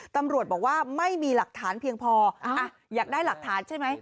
ตำรวจบอกว่าไม่มีหลักฐานเพียงพออยากได้หลักฐานใช่ไหม